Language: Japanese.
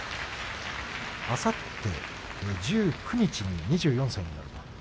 あさって１９日に２４歳になります。